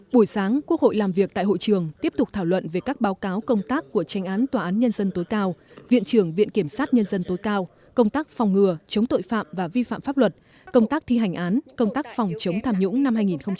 buổi sáng quốc hội làm việc tại hội trường tiếp tục thảo luận về các báo cáo công tác của tranh án tòa án nhân dân tối cao viện trưởng viện kiểm sát nhân dân tối cao công tác phòng ngừa chống tội phạm và vi phạm pháp luật công tác thi hành án công tác phòng chống tham nhũng năm hai nghìn một mươi chín